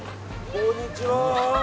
こんにちは。